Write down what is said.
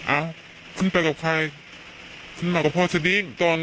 อ้าวขึ้นไปกับใคร